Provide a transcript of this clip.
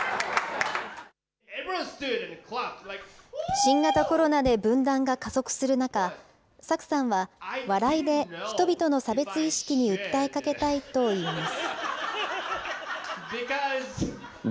新型コロナで分断が加速する中、Ｓａｋｕさんは、笑いで人々の差別意識に訴えかけたいといいます。